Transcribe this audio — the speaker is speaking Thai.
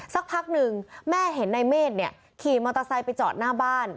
สักพักหนึ่งแม่เห็นในเมฆเนี่ยขี่มอเตอร์ไซค์ไปจอดหน้าบ้าน